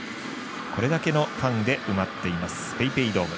これだけのファンで埋まっていますＰａｙＰａｙドーム。